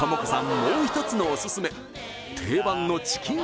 もうひとつのオススメ